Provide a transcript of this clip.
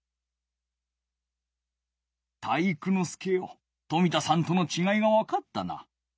体育ノ介よ冨田さんとのちがいがわかったな。